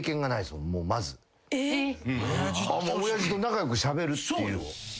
あんま親父と仲良くしゃべるっていう。